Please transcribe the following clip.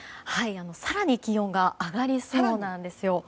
更に気温が上がりそうなんですよ。